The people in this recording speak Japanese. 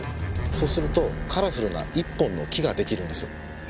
そうするとカラフルな１本の木ができるんです。